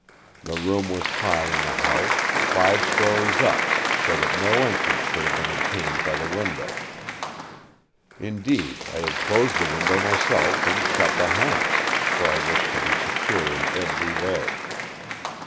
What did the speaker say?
The room was high in the house, five stories up, so that no entrance could have been obtained by the window. Indeed, I had closed the window myself and shut the hasp, for I wished to be secure in every way.